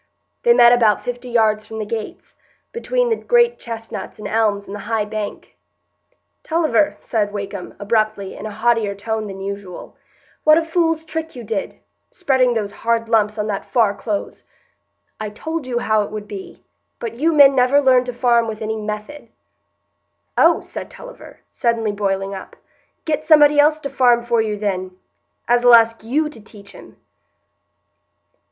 They met about fifty yards from the gates, between the great chestnuts and elms and the high bank. "Tulliver," said Wakem, abruptly, in a haughtier tone than usual, "what a fool's trick you did,—spreading those hard lumps on that Far Close! I told you how it would be; but you men never learn to farm with any method." "Oh!" said Tulliver, suddenly boiling up; "get somebody else to farm for you, then, as'll ask you to teach him."